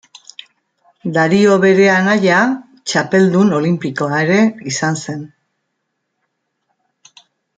Dario bere anaia txapeldun olinpikoa ere izan zen.